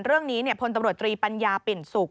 เรื่องนี้พลตำรวจตรีปัญญาปิ่นสุข